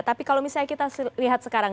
tapi kalau misalnya kita lihat sekarang